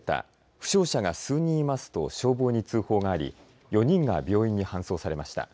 負傷者が数人いますと消防に通報があり４人が病院に搬送されました。